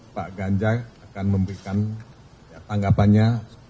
pak ganjar akan memberikan tanggapannya